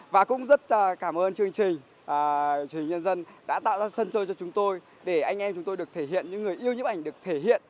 và cũng rất cảm ơn chương trình truyền hình nhân dân đã tạo ra sân chơi cho chúng tôi để anh em chúng tôi được thể hiện những người yêu nhấp ảnh được thể hiện